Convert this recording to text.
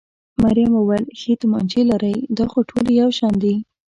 مريم وویل: ښې تومانچې لرئ؟ دا خو ټولې یو شان دي.